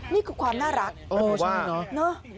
นี่คือความน่ารักเนอะใช่ไหมครับนั่นหรือเปล่าว่า